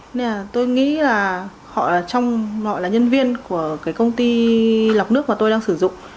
nên là tôi nghĩ là họ trong họ là nhân viên của cái công ty lọc nước mà tôi đang sử dụng